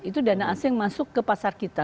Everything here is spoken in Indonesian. itu dana asing masuk ke pasar kita